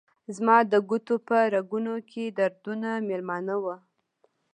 زما د ګوتو په رګونو کې دردونه میلمانه وه